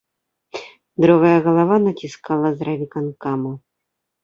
Другая галава націскала з райвыканкома.